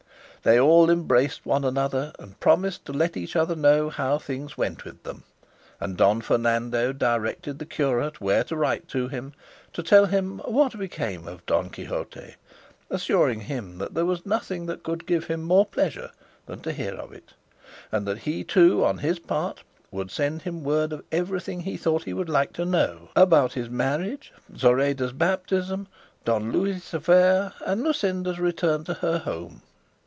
They all embraced one another, and promised to let each other know how things went with them, and Don Fernando directed the curate where to write to him, to tell him what became of Don Quixote, assuring him that there was nothing that could give him more pleasure than to hear of it, and that he too, on his part, would send him word of everything he thought he would like to know, about his marriage, Zoraida's baptism, Don Luis's affair, and Luscinda's return to her home.